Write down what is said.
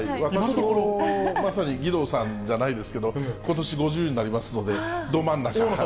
まさに義堂さんじゃないですけど、ことし５０になりますので、ど真ん中。